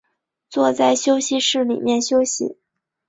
坐在休息室里面休息